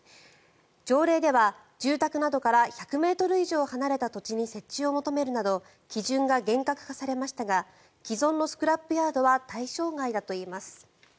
条例では住宅などから１００ｍ以上離れた土地に設置を求めるなど基準が厳格化されましたが既存のスクラップヤードは対象外だといいます。